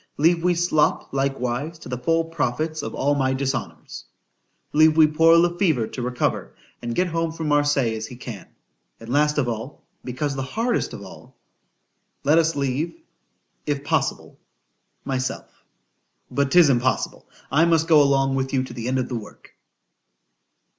—— Leave we Slop likewise to the full profits of all my dishonours.—— Leave we poor Le Fever to recover, and get home from Marseilles as he can.——And last of all,—because the hardest of all—— Let us leave, if possible, myself:——But 'tis impossible,—I must go along with you to the end of the work.